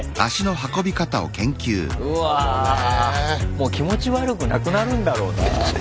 もう気持ち悪くなくなるんだろうな。